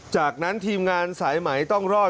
จากนั้นทีมงานสายไหมต้องรอด